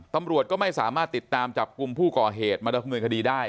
ตำรวจก็ไม่สามารถติดตามจับกลุ่มผู้ก่อเหตุมาดำเนินคดีได้